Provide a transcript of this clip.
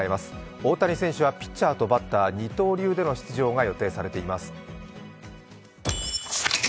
大谷選手はピッチャーとバッター二刀流での出場が予定されています。